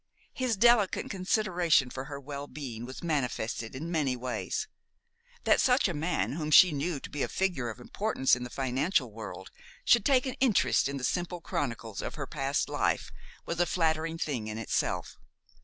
His delicate consideration for her well being was manifested in many ways. That such a man, whom she knew to be a figure of importance in the financial world, should take an interest in the simple chronicles of her past life was a flattering thing in itself.